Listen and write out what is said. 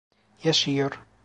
Yaşıyor.